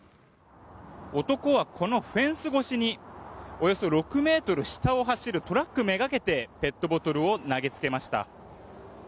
男はこのフェンス越しにおよそ６ｍ下を走るトラックめがけてペットボトルを投げつけました。